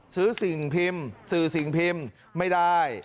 ซื้อสิ่งพิมพ์ไม่ได้